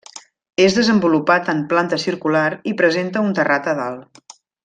És desenvolupat en planta circular i presenta un terrat a dalt.